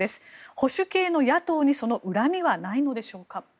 保守系の野党にその恨みはないのでしょうか？